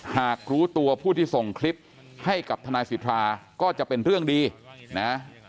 หากรู้ตัวผู้ที่ส่งคลิปให้กับทนายสิทธาก็จะเป็นเรื่องดีนะ